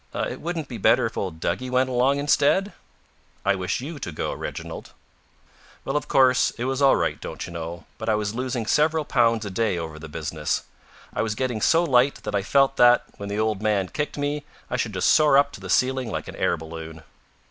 "It wouldn't be better if old Duggie went along instead?" "I wish you to go, Reginald." Well, of course, it was all right, don't you know, but I was losing several pounds a day over the business. I was getting so light that I felt that, when the old man kicked me, I should just soar up to the ceiling like an air balloon.